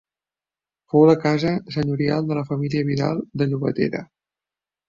Fou la casa senyorial de la família Vidal de Llobatera.